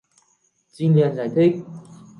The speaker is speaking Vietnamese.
Trinh liền giải thích